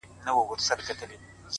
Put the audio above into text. د حقیقت درناوی حکمت زیاتوي’